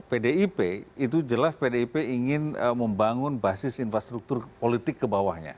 pdip itu jelas pdip ingin membangun basis infrastruktur politik ke bawahnya